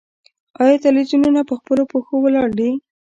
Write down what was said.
آیا تلویزیونونه په خپلو پښو ولاړ دي؟